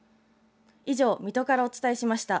以上、水戸からお伝えしました。